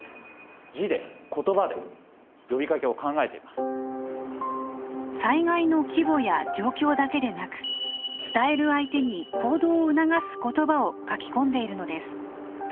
ここに災害の規模や状況だけでなく伝える相手に行動を促す言葉を書き込んでいるのです。